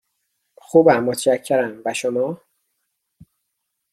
خوبم، متشکرم، و شما؟